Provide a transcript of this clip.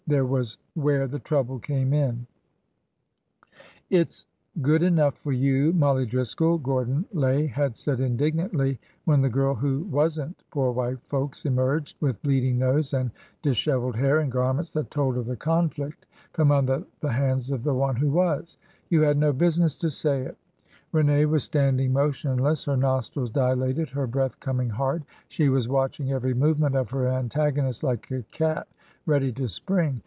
There was where the trouble came in. IN THE SCHOOL HOUSE 55 It 's good enough for you, Mollie Driscoll !'' Gordon Lay had said indignantly when the girl who was n't poor white folks " emerged, with bleeding nose and di sheveled hair and garments that told of the conflict, from under the hands of the one who was. " You had no busi ness to say it !" Rene was standing motionless, her nostrils dilated, her breath coming hard. She was watching every movement of her antagonist like a cat ready to spring.